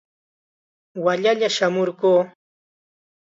Wallalla shamurquu.